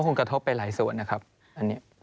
คงกระทบไปหลายส่วนนะครับอันนี้